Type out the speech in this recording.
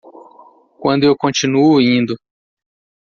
Quando eu continuo indo